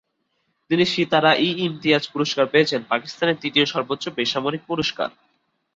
তিনি সিতারা-ই-ইমতিয়াজ পুরস্কার পেয়েছেন, পাকিস্তানের তৃতীয় সর্বোচ্চ বেসামরিক পুরস্কার।